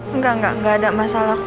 enggak enggak ada masalah